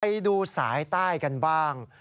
ไปดูสายใต้กันบ้าง